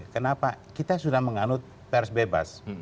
kenapa kita sudah menganut pers bebas